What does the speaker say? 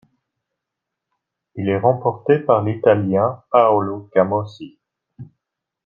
Il est remporté par l'Italien Paolo Camossi.